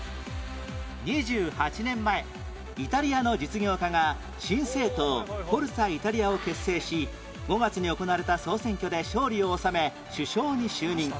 ２８年前イタリアの実業家が新政党フォルツァ・イタリアを結成し５月に行われた総選挙で勝利を収め首相に就任